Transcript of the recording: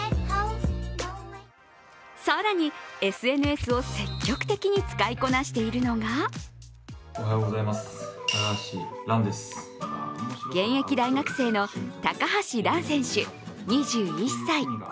更に、ＳＮＳを積極的に使いこなしているのが現役大学生の高橋藍選手、２１歳。